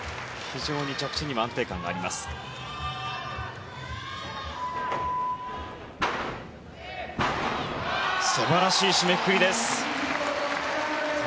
非常に着地にも安定感があります。